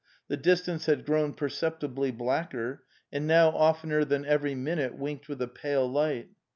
The distance had grown perceptibly blacker, and now oftener than every minute winked with a pale light.